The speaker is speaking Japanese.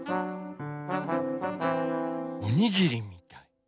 おにぎりみたい。